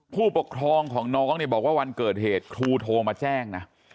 ผู้ปกครองของน้องเนี่ยบอกว่าวันเกิดเหตุครูโทรมาแจ้งนะ